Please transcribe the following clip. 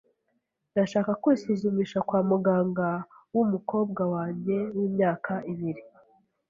[S] Ndashaka kwisuzumisha kwa muganga wumukobwa wanjye wimyaka ibiri.